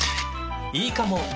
いいかも！